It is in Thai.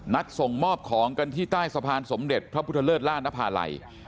ส่งมอบของกันที่ใต้สะพานสมเด็จพระพุทธเลิศล่านภาลัย